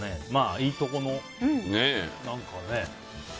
いいところの何かね。